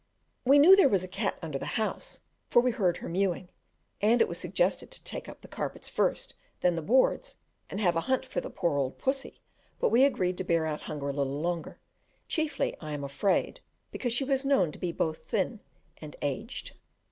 We knew there was a cat under the house, for we heard her mewing; and it was suggested to take up the carpets first, then the boards, and have a hunt for the poor old pussy but we agreed to bear our hunger a little longer, chiefly, I am afraid, because she was known to be both thin and aged.